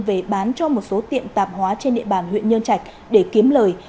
về bán cho một số tiệm tạp hóa trên địa bàn huyện nhân trạch để kiếm lời